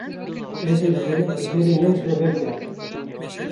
Ez ê di demeke herî nêz de vegerim.